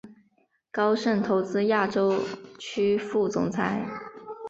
高盛投资亚洲区副总裁。